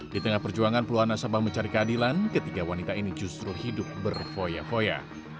di tengah perjuangan puluhan nasabah mencari keadilan ketiga wanita ini justru hidup berfoya foya